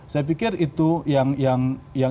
saya pikir itu yang